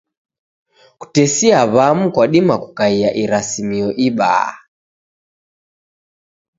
Kutesia w'amu kwadima kukaia irasimio ibaa.